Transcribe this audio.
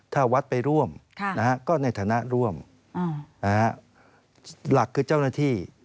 ถ้าวัดไปร่วมก็ในฐานะร่วมหลักคือเจ้าหน้าที่